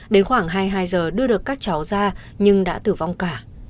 đến khoảng hai mươi hai giờ đưa được các cháu ra nhưng đã tử vong cả